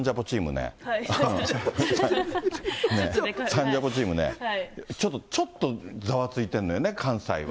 ねえ、サンジャポチームね、ちょっとざわついてんのよね、関西は。